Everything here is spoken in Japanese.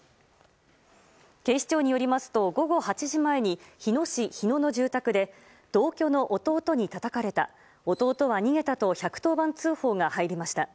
警視庁によりますと午後８時前に日野市日野の住宅で同居の弟にたたかれた弟は逃げたと１１０番通報が入りました。